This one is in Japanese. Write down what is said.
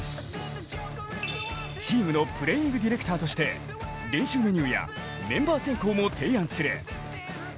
チームのプレーイングディレクターとして練習メニューやメンバー選考も提案する。